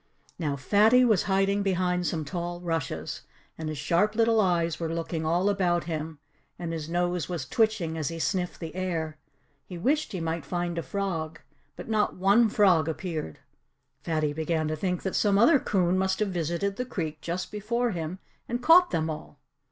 Now, Fatty was hiding behind some tall rushes, and his sharp little eyes were looking all about him, and his nose was twitching as he sniffed the air. He wished he might find a frog. But not one frog appeared. Fatty began to think that some other coon must have visited the creek just before him and caught them all.